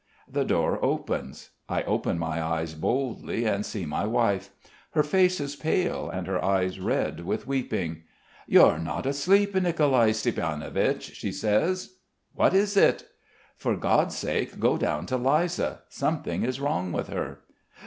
The door opens. I open my eyes boldly and see my wife. Her face is pale and her eyes red with weeping. "You're not asleep, Nicolai Stiepanovich?" she asks. "What is it?" "For God's sake go down to Liza. Something is wrong with her."